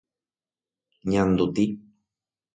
Ñanduti.